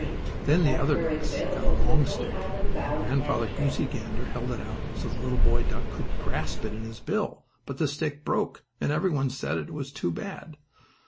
Then the other ducks got a long stick and Grandfather Goosey Gander held it out, so the little boy duck could grasp it in his bill, but the stick broke, and every one said it was too bad!